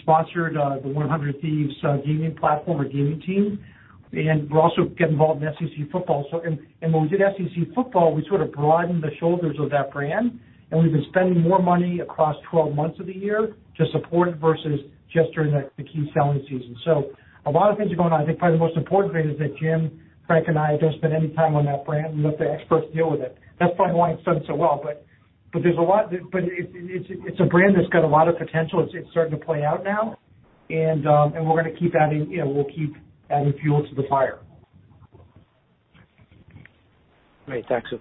C: sponsored the 100 Thieves gaming platform or gaming team, and we're also getting involved in SEC football. When we did SEC football, we sort of broadened the shoulders of that brand. We've been spending more money across 12 months of the year to support it versus just during the key selling season, so a lot of things are going on. I think probably the most important thing is that Jim, Frank, and I don't spend any time on that brand. We let the experts deal with it. That's probably why it's done so well. But there's a lot that it's a brand that's got a lot of potential. It's starting to play out now. We're going to keep adding fuel to the fire.
A: Great. Thanks.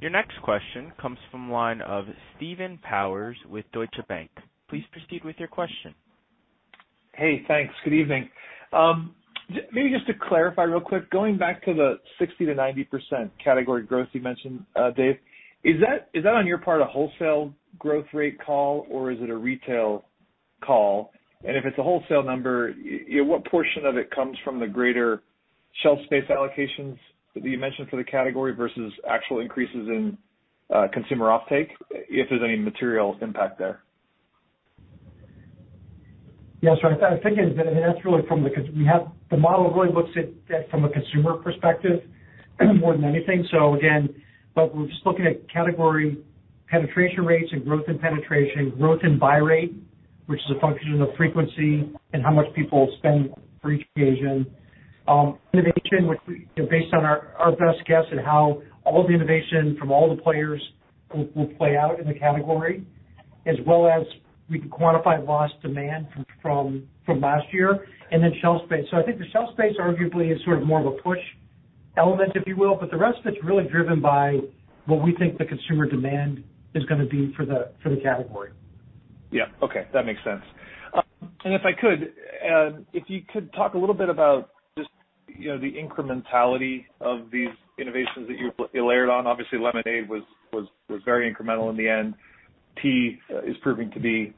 A: Your next question comes from the line of Stephen Powers with Deutsche Bank. Please proceed with your question.
M: Hey, thanks. Good evening. Maybe just to clarify real quick, going back to the 60%-90% category growth you mentioned, Dave, is that on your part a wholesale growth rate call, or is it a retail call? And if it's a wholesale number, what portion of it comes from the greater shelf space allocations that you mentioned for the category versus actual increases in consumer offtake, if there's any material impact there?
C: Yes, Frank. I think that's really because the model really looks at that from a consumer perspective more than anything. So again, but we're just looking at category penetration rates and growth in penetration, growth in buy rate, which is a function of frequency and how much people spend for each occasion. Innovation, which based on our best guess at how all the innovation from all the players will play out in the category, as well as we can quantify lost demand from last year, and then shelf space. So I think the shelf space, arguably, is sort of more of a push element, if you will, but the rest of it's really driven by what we think the consumer demand is going to be for the category.
M: Yeah. Okay. That makes sense. And if I could, if you could talk a little bit about just the incrementality of these innovations that you layered on. Obviously, lemonade was very incremental in the end. Tea is proving to be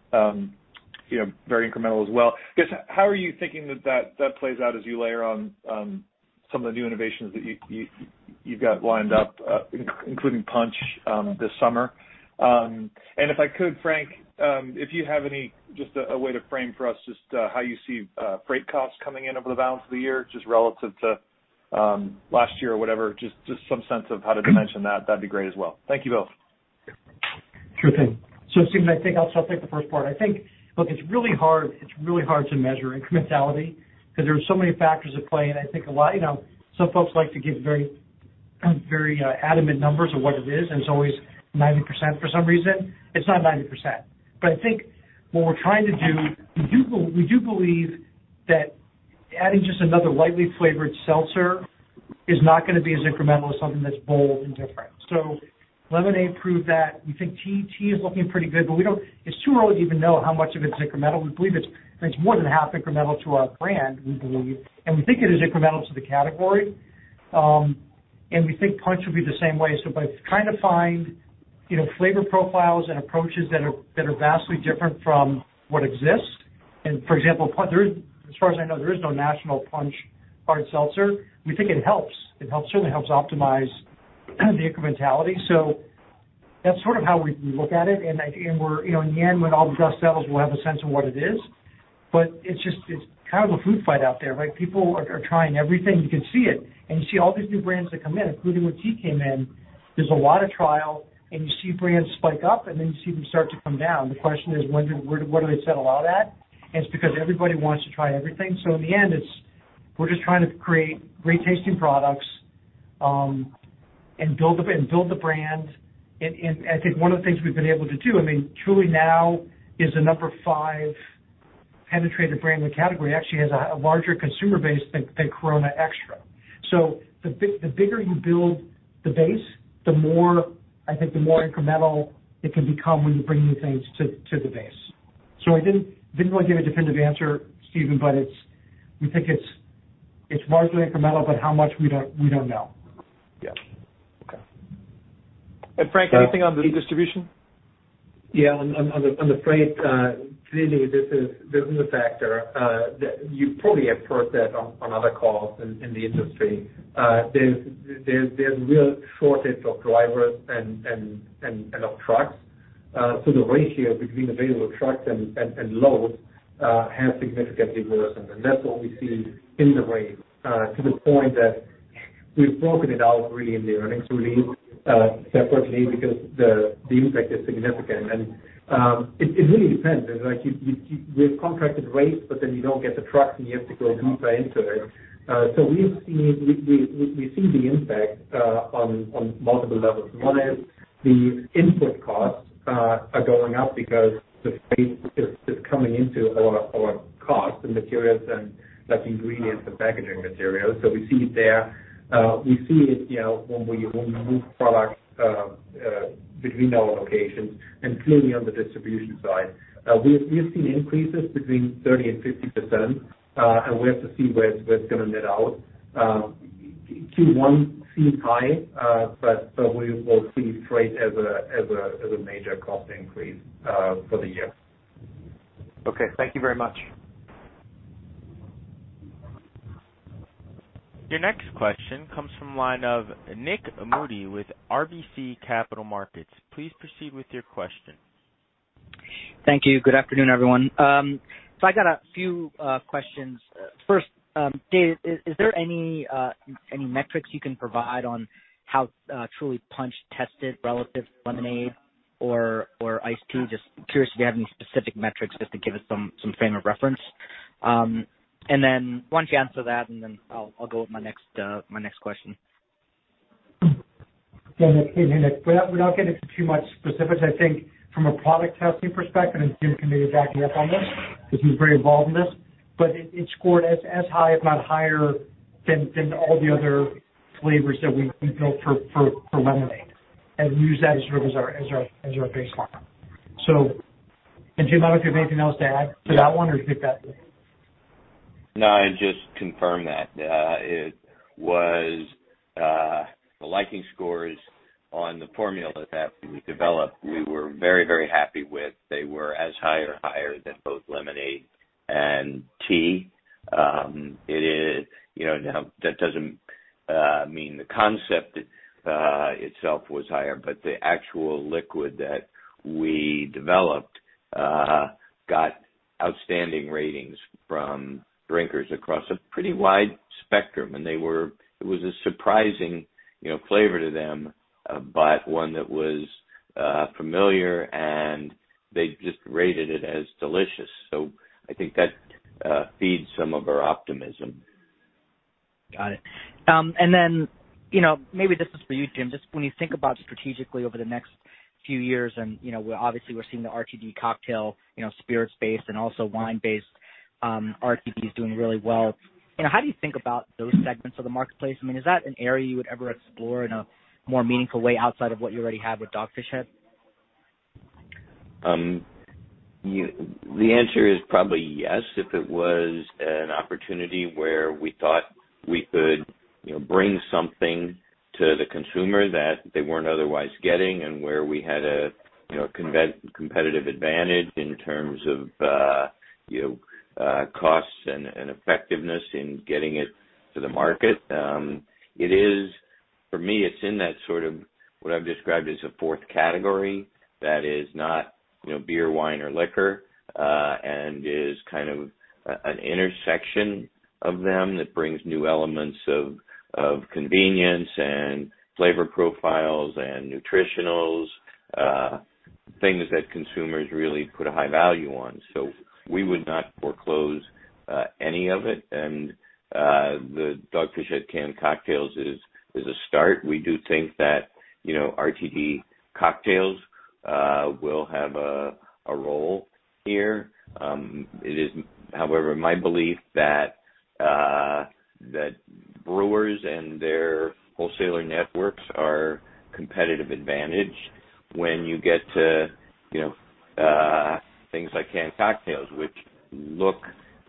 M: very incremental as well. I guess, how are you thinking that that plays out as you layer on some of the new innovations that you've got lined up, including punch this summer? And if I could, Frank, if you have just a way to frame for us just how you see freight costs coming in over the balance of the year, just relative to last year or whatever, just some sense of how to dimension that, that'd be great as well. Thank you both.
C: Sure thing. So, Stephen, I think I'll take the first part. I think, look, it's really hard to measure incrementality because there are so many factors at play. And I think a lot, some folks like to give very adamant numbers of what it is. And it's always 90% for some reason. It's not 90%. But I think what we're trying to do, we do believe that adding just another lightly flavored seltzer is not going to be as incremental as something that's bold and different. So lemonade proved that. We think tea is looking pretty good, but it's too early to even know how much of it's incremental. We believe it's more than half incremental to our brand, we believe. And we think it is incremental to the category. And we think punch would be the same way. So by trying to find flavor profiles and approaches that are vastly different from what exists. And for example, as far as I know, there is no national punch hard seltzer. We think it helps. It certainly helps optimize the incrementality. So that's sort of how we look at it. And in the end, when all the dust settles, we'll have a sense of what it is. But it's kind of a food fight out there, right? People are trying everything. You can see it. And you see all these new brands that come in, including when Twisted Tea came in. There's a lot of trial. And you see brands spike up, and then you see them start to come down. The question is, what do they settle out at? And it's because everybody wants to try everything. In the end, we're just trying to create great tasting products and build the brand. And I think one of the things we've been able to do, I mean, Truly now is the number five penetrating brand in the category actually has a larger consumer base than Corona Extra. So the bigger you build the base, I think the more incremental it can become when you bring new things to the base. So I didn't want to give you a definitive answer, Stephen, but we think it's largely incremental, but how much, we don't know.
M: Yeah. Okay. And Frank, anything on the distribution?
D: Yeah. On the freight, clearly, this is a factor. You probably have heard that on other calls in the industry. There's a real shortage of drivers and of trucks. So the ratio between available trucks and loads has significantly worsened. And that's what we see in the rate to the point that we've broken it out really in the earnings release separately because the impact is significant. And it really depends. We have contracted rates, but then you don't get the trucks, and you have to go deeper into it. So we see the impact on multiple levels. One is the input costs are going up because the freight is coming into our costs and materials and ingredients and packaging materials. So we see it there. We see it when we move products between our locations and clearly on the distribution side. We have seen increases between 30% and 50%, and we have to see where it's going to net out. Q1 seems high, but we'll see freight as a major cost increase for the year.
M: Okay. Thank you very much.
A: Your next question comes from the line of Nik Modi with RBC Capital Markets. Please proceed with your question.
N: Thank you. Good afternoon, everyone, so I got a few questions. First, Dave, is there any metrics you can provide on how Truly Punch tested relative to lemonade or iced tea? Just curious if you have any specific metrics just to give us some frame of reference, and then why don't you answer that, and then I'll go with my next question.
C: Yeah. And without getting into too much specifics, I think from a product testing perspective, and Jim can maybe back me up on this because he's very involved in this, but it scored as high, if not higher, than all the other flavors that we built for lemonade and use that as sort of our baseline. So Jim, I don't know if you have anything else to add to that one or think that.
B: No, I'd just confirm that. The liking scores on the formula that we developed, we were very, very happy with. They were as high or higher than both lemonade and tea. Now, that doesn't mean the concept itself was higher, but the actual liquid that we developed got outstanding ratings from drinkers across a pretty wide spectrum, and it was a surprising flavor to them, but one that was familiar, and they just rated it as delicious, so I think that feeds some of our optimism.
N: Got it, and then maybe this is for you, Jim. Just when you think about strategically over the next few years, and obviously, we're seeing the RTD cocktail spirits-based and also wine-based RTDs doing really well. How do you think about those segments of the marketplace? I mean, is that an area you would ever explore in a more meaningful way outside of what you already have with Dogfish Head?
B: The answer is probably yes if it was an opportunity where we thought we could bring something to the consumer that they weren't otherwise getting and where we had a competitive advantage in terms of costs and effectiveness in getting it to the market. For me, it's in that sort of what I've described as a fourth category that is not beer, wine, or liquor and is kind of an intersection of them that brings new elements of convenience and flavor profiles and nutritionals, things that consumers really put a high value on. So we would not foreclose any of it. And the Dogfish Head Canned Cocktails is a start. We do think that RTD cocktails will have a role here. It is, however, my belief that brewers and their wholesaler networks are a competitive advantage when you get to things like canned cocktails, which look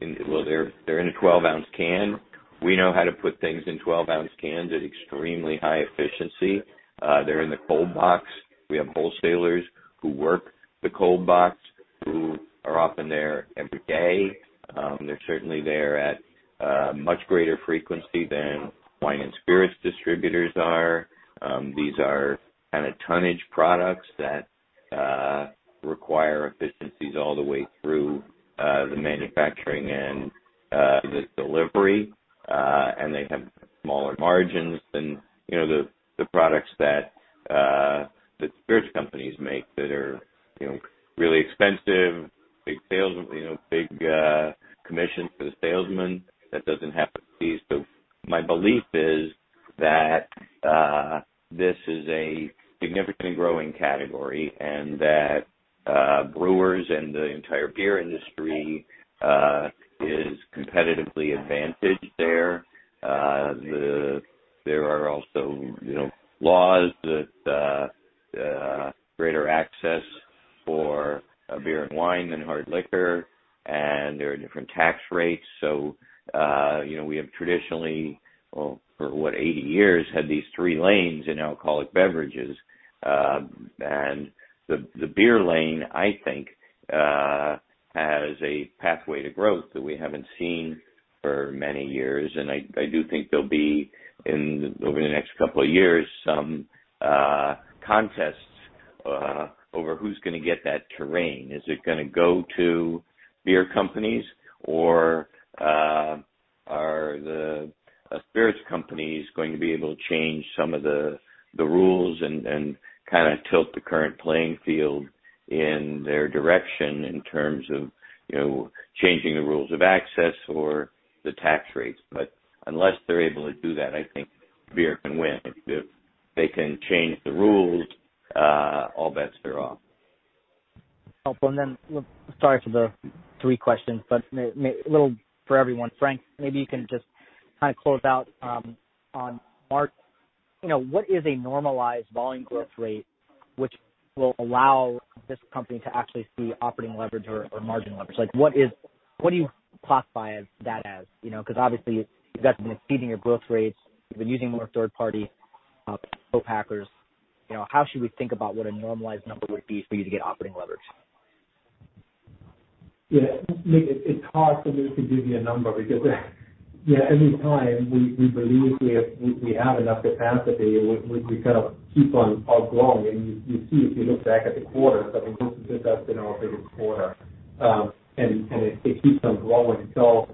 B: well, they're in a 12-ounce can. We know how to put things in 12-ounce cans at extremely high efficiency. They're in the cold box. We have wholesalers who work the cold box who are often there every day. They're certainly there at a much greater frequency than wine and spirits distributors are. These are kind of tonnage products that require efficiencies all the way through the manufacturing and the delivery, and they have smaller margins than the products that
D: yeah, every time we believe we have enough capacity, we kind of keep on growing. And you see if you look back at the quarters, I mean, this is just us in our biggest quarter. And it keeps on growing. So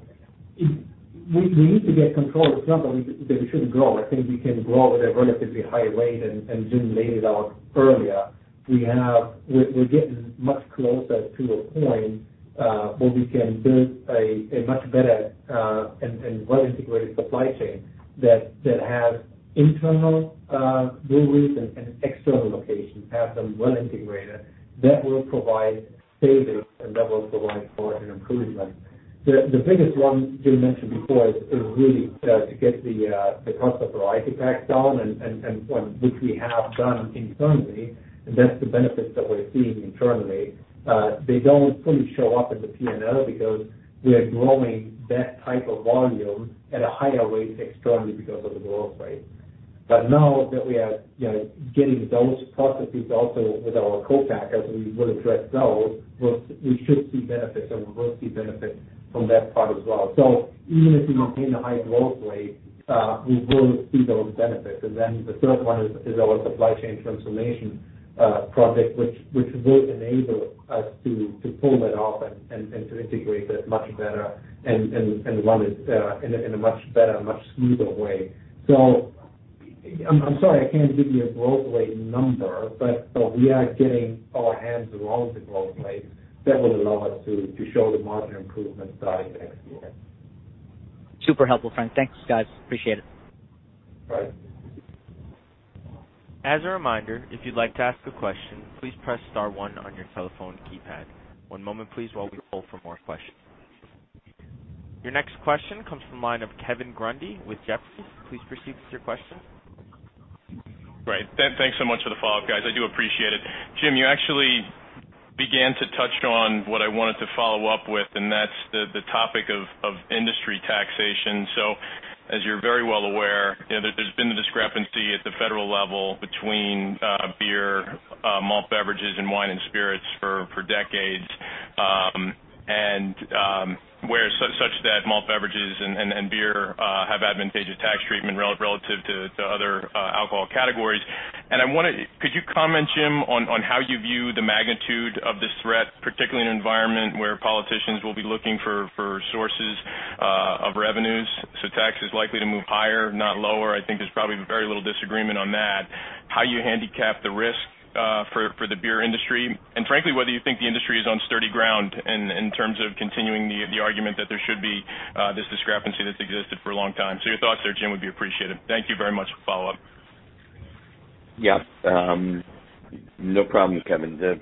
D: we need to get control of the job, but we shouldn't grow. I think we can grow at a relatively high rate. And Jim laid it out earlier. We're getting much closer to a point where we can build a much better and well-integrated supply chain that has internal breweries and external locations, have them well-integrated. That will provide savings and that will provide for an improvement. The biggest one, Jim mentioned before, is really to get the cost of variety packs down, which we have done internally. And that's the benefits that we're seeing internally. They don't fully show up in the P&L because we're growing that type of volume at a higher rate externally because of the growth rate. But now that we are getting those processes also with our co-packers, we will address those. We should see benefits, and we will see benefits from that part as well. So even if we maintain a high growth rate, we will see those benefits. And then the third one is our Supply Chain Transformation project, which will enable us to pull that off and to integrate that much better and run it in a much better, much smoother way. So I'm sorry, I can't give you a growth rate number, but we are getting our hands around the growth rate that will allow us to show the margin improvement starting next year.
N: Super helpful, Frank. Thanks, guys. Appreciate it.
D: All right.
A: As a reminder, if you'd like to ask a question, please press star one on your telephone keypad. One moment, please, while we pull for more questions. Your next question comes from the line of Kevin Grundy with Jefferies. Please proceed with your question.
G: Great. Thanks so much for the follow-up, guys. I do appreciate it. Jim, you actually began to touch on what I wanted to follow up with, and that's the topic of industry taxation. So as you're very well aware, there's been the discrepancy at the federal level between beer, malt beverages, and wine and spirits for decades, and such that malt beverages and beer have advantageous tax treatment relative to other alcohol categories. And I want to, could you comment, Jim, on how you view the magnitude of this threat, particularly in an environment where politicians will be looking for sources of revenues? So tax is likely to move higher, not lower. I think there's probably very little disagreement on that. How you handicap the risk for the beer industry, and frankly, whether you think the industry is on sturdy ground in terms of continuing the argument that there should be this discrepancy that's existed for a long time? So your thoughts there, Jim, would be appreciated. Thank you very much for the follow-up.
B: Yep. No problem, Kevin. This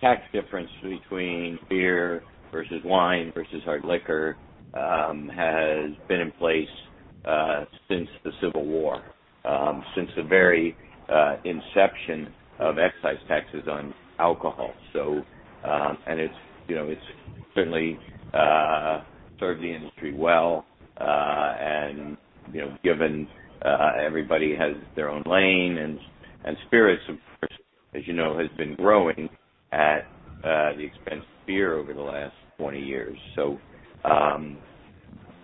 B: tax difference between beer versus wine versus hard liquor has been in place since the Civil War, since the very inception of excise taxes on alcohol. And it's certainly served the industry well. And given everybody has their own lane and spirits, of course, as you know, has been growing at the expense of beer over the last 20 years. So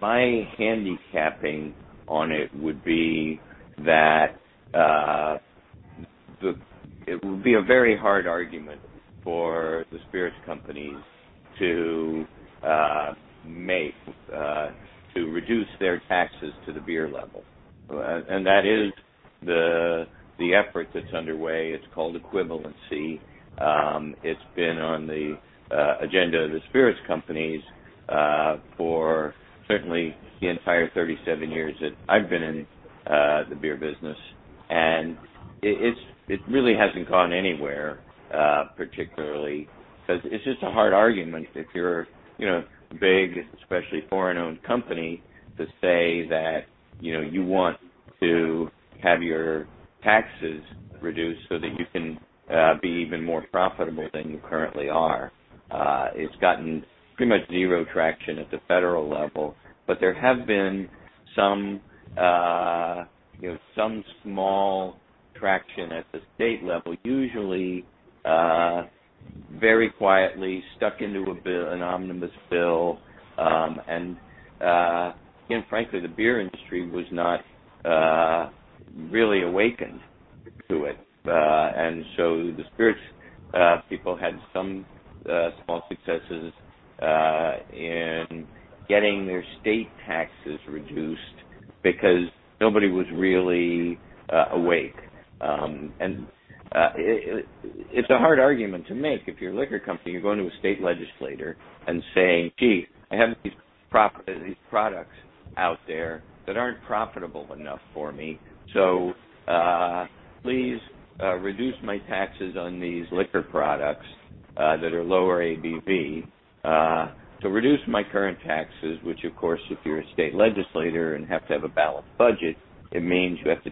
B: my handicapping on it would be that it would be a very hard argument for the spirits companies to reduce their taxes to the beer level. And that is the effort that's underway. It's called equivalency. It's been on the agenda of the spirits companies for certainly the entire 37 years that I've been in the beer business. And it really hasn't gone anywhere, particularly because it's just a hard argument if you're a big, especially foreign-owned company to say that you want to have your taxes reduced so that you can be even more profitable than you currently are. It's gotten pretty much zero traction at the federal level. But there have been some small traction at the state level, usually very quietly stuck into an omnibus bill. And frankly, the beer industry was not really awakened to it. And so the spirits people had some small successes in getting their state taxes reduced because nobody was really awake. And it's a hard argument to make. If you're a liquor company, you're going to a state legislator and saying, "Gee, I have these products out there that aren't profitable enough for me. So please reduce my taxes on these liquor products that are lower ABV," so reduce my current taxes, which, of course, if you're a state legislator and have to have a balanced budget, it means you have to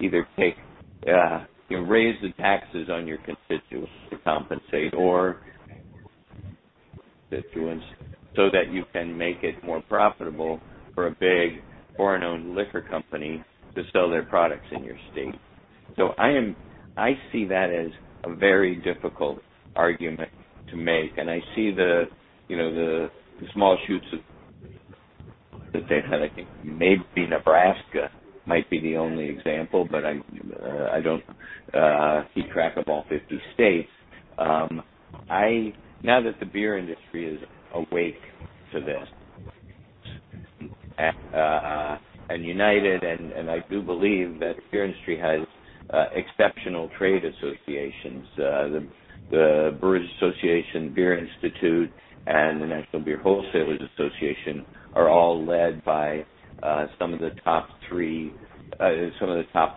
B: either raise the taxes on your constituents to compensate or so that you can make it more profitable for a big foreign-owned liquor company to sell their products in your state. So I see that as a very difficult argument to make. And I see the small shoots that they had, I think, maybe Nebraska might be the only example, but I don't keep track of all 50 states. Now that the beer industry is awake to this and united, and I do believe that the beer industry has exceptional trade associations. The Brewers Association, Beer Institute, and the National Beer Wholesalers Association are all led by some of the top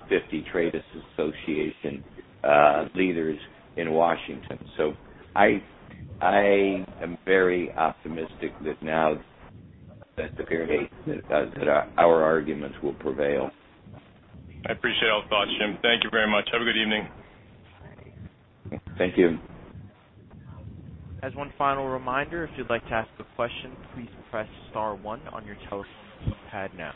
B: 50 trade association leaders in Washington, so I am very optimistic that now that's the period that our arguments will prevail.
G: I appreciate all thoughts, Jim. Thank you very much. Have a good evening.
B: Thank you.
A: As one final reminder, if you'd like to ask a question, please press star one on your telephone keypad now.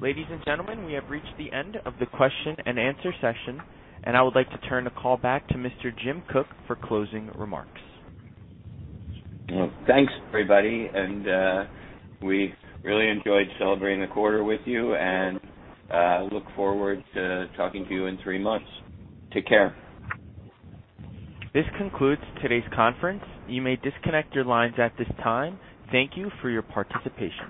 A: Ladies and gentlemen, we have reached the end of the question and answer session, and I would like to turn the call back to Mr. Jim Koch for closing remarks.
B: Thanks, everybody. And we really enjoyed celebrating the quarter with you and look forward to talking to you in three months. Take care.
A: This cincludes today's conference. You may disconnect your lines at this time. Thank you for your participation.